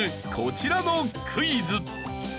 こちらのクイズ。